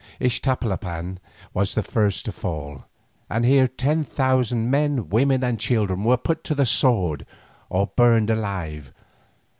Iztapalapan was the first to fall, and here ten thousand men, women, and children were put to the sword or burned alive.